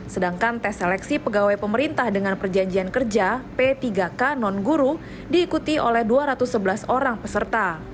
sedangkan tes seleksi pegawai pemerintah dengan perjanjian kerja p tiga k non guru diikuti oleh dua ratus sebelas orang peserta